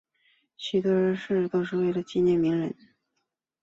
许多巴士的命名都是为了纪念名人们。